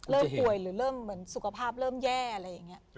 เริ่มป่วยหรือเริ่มเหมือนสุขภาพเริ่มแย่อะไรอย่างนี้